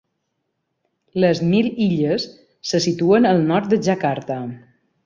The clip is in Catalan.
Les Mil Illes se situen al nord de Jakarta.